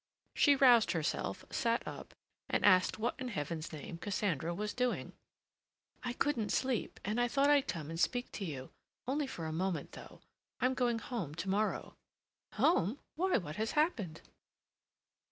She roused herself, sat up, and asked what in Heaven's name Cassandra was doing? "I couldn't sleep, and I thought I'd come and speak to you—only for a moment, though. I'm going home to morrow." "Home? Why, what has happened?"